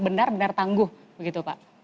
benar benar tangguh begitu pak